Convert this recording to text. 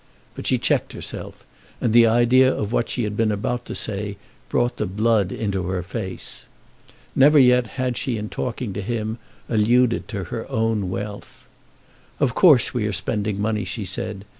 But she checked herself, and the idea of what she had been about to say brought the blood into her face. Never yet had she in talking to him alluded to her own wealth. "Of course we are spending money," she said.